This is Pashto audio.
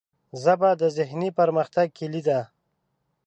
ژبه د ذهني پرمختګ کلۍ ده